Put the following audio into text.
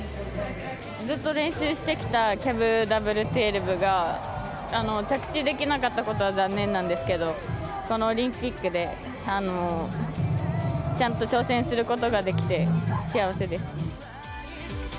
ずっと練習してきたキャブダブル１２が着地できなかったことは、残念なんですけど、このオリンピックで、ちゃんと挑戦することができて幸せです。